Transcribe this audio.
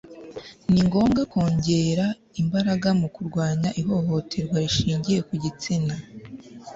ni ngombwa kongera imbaraga mu kurwanya ihohoterwa rishingiye ku gitsina